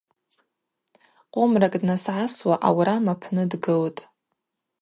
Къомракӏ днасгӏасуа, аурам апны дгылтӏ.